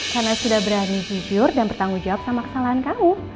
karena sudah berani jujur dan bertanggung jawab sama kesalahan kamu